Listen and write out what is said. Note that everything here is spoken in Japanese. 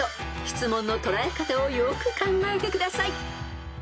［質問の捉え方をよーく考えてください］